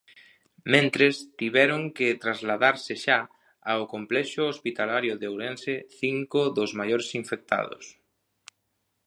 Mentres, tiveron que trasladarse xa ao Complexo Hospitalario de Ourense cinco dos maiores infectados.